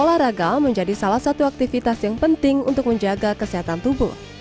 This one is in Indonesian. olahraga menjadi salah satu aktivitas yang penting untuk menjaga kesehatan tubuh